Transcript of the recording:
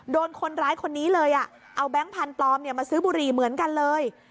โดนคนร้ายคนนี้เลยเอาแบงค์พันธุ์ปลอมมาซื้อบุหรี่เหมือนกันเลย